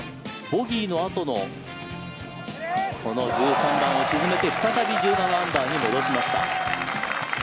ボギーのあとのこの１３番を沈めて再び１７アンダーに戻しました。